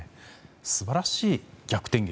素晴らしい逆転劇。